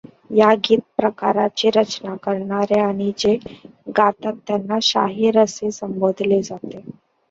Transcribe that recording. या गीत प्रकाराची रचना करणारे आणि जे गातात त्यांना शाहीर असे संबोधले जाते.